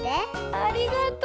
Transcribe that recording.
ありがとう。